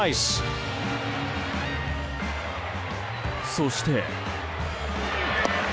そして。